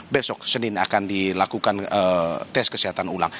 besok senin akan dilakukan tes kesehatan ulang